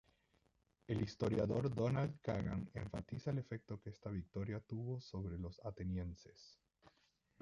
El historiador Donald Kagan enfatiza el efecto que esta victoria tuvo sobre los atenienses.